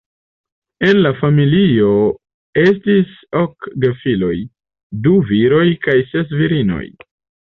En la familio estis ok gefiloj, du viroj kaj ses virinoj.